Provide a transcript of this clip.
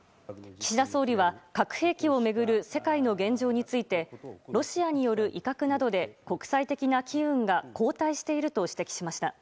岸田総理は核兵器を巡る世界の現状についてロシアによる威嚇などで国際的な機運が後退していると指摘しました。